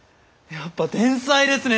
やっぱ天才ですね！